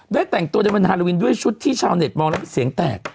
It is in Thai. ได้แต่งตัวในวันฮาโลวินด้วยชุดที่ชาวเน็ตมองแล้วเสียงแตก